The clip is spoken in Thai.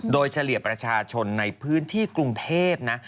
โดยเฉลี่ยประชาชนในพื้นที่กรุงเทพนะ